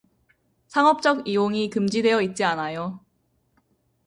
상업적 이용이 금지되어 있지 않아요.